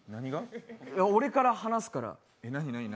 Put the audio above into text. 俺から話すから。